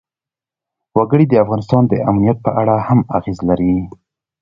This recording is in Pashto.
وګړي د افغانستان د امنیت په اړه هم اغېز لري.